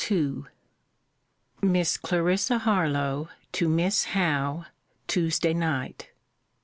MISS CLARISSA HARLOWE, TO MISS HOWE. TUESDAY NIGHT.